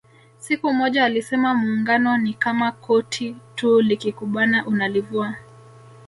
Siku moja alisema Muungano ni kama koti tu likikubana unalivua